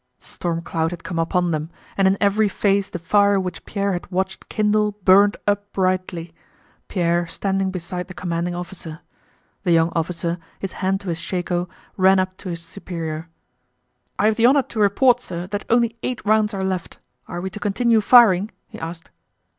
The stormcloud had come upon them, and in every face the fire which Pierre had watched kindle burned up brightly. Pierre standing beside the commanding officer. The young officer, his hand to his shako, ran up to his superior. "I have the honor to report, sir, that only eight rounds are left. Are we to continue firing?" he asked.